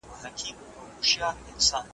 هيله ده چې دا جملې ستاسو لپاره ګټورې وي.